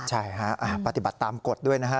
ใช่ฮะปฏิบัติตามกฎด้วยนะฮะ